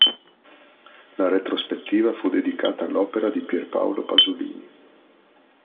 La retrospettiva fu dedicata all'opera di Pier Paolo Pasolini.